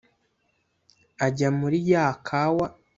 Ajya muli ya kawa